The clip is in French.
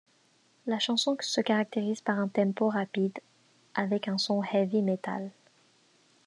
La chanson se caractérise par un tempo rapide avec un son heavy metal.